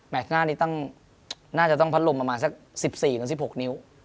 หน้านี้น่าจะต้องพัดลมประมาณสัก๑๔๑๖นิ้ว